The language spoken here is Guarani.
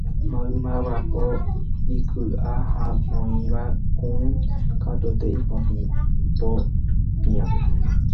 Maymavéva po ikyʼa ha oĩva kũ katuete ipopĩa.